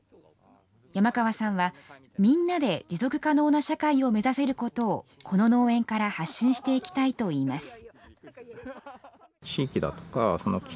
山川さんは、みんなで持続可能な社会を目指せることを、この農園から発信していきたいといいます。